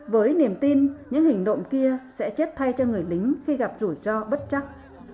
với niềm tin những hình động kia sẽ chết thay cho người lính khi gặp rủi ro bất chắc